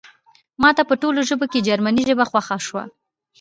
ماته په ټولو ژبو کې جرمني ژبه خوښه شوه